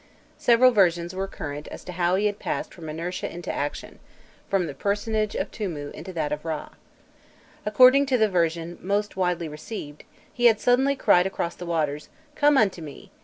Several versions were current as to how he had passed from inertia into action, from the personage of Tûmû into that of Râ. According to the version most widely received, he had suddenly cried across the waters, "Come unto me!"